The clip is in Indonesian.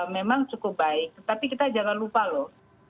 memang cukup baik tetapi kita jangan lupa loh